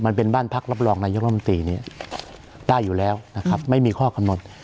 มันเป็นบ้านพักรับรองในฐานะนายกมติเนี่ยได้อยู่แล้วนะครับไม่มีข้อคำนวจ